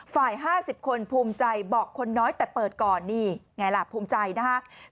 ๕๐คนภูมิใจบอกคนน้อยแต่เปิดก่อนนี่ไงล่ะภูมิใจนะครับ